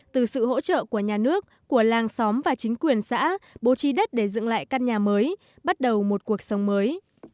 từ sự hỗ trợ của nhà nước của làng xóm và chính quyền xã bố trí đất để dựng lại căn nhà mới bắt đầu một cuộc sống mới